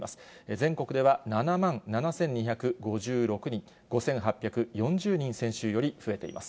全国では７万７２５６人、５８４０人、先週より増えています。